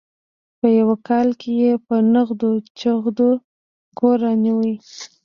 په یوه کال کې یې په نغدو چغدو کور رانیوه.